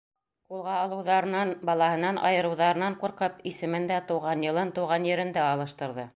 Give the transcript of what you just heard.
Ҡулға алыуҙарынан, балаһынан айырыуҙарынан ҡурҡып, исемен дә, тыуған йылын, тыуған ерен дә алыштырҙы.